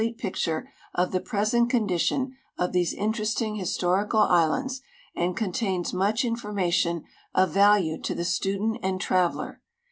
te ])icture of the present condition of these interesting historical islands and contains much information of value to the student and traveler.